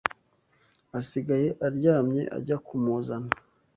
asigaye aryamye ajya kumuzana